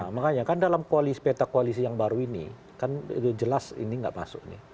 makanya kan dalam peta koalisi yang baru ini kan itu jelas ini nggak masuk nih